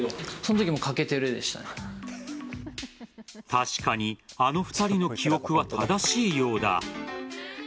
確かにあの２人の記憶は正しいようだ。